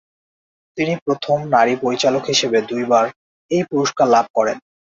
তিনি প্রথম নারী পরিচালক হিসেবে দুইবার এই পুরস্কার লাভ করেন।